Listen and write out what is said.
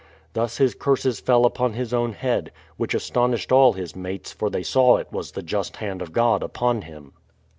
Thus his curses fell upon his own head, which astonished all his mates for they saw it was the just hand of God upon him.